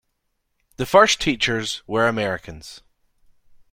The first teachers were Americans.